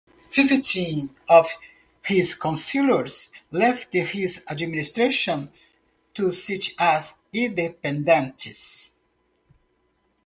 Fifteen of his councillors left his administration to sit as Independents.